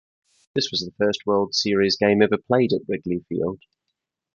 This was the first World Series game ever played at Wrigley Field.